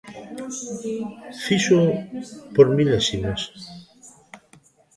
Fíxoo por milésimas.